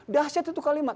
dahsyat itu kalimat